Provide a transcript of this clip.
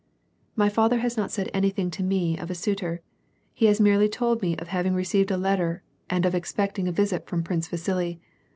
My father has not said anything to me of a suitor ; he has merely told me of having received a letter and of expecting a visit from Prince Vasili.